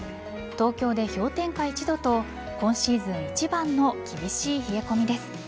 東京で氷点下１度と今シーズン一番の厳しい冷え込みです。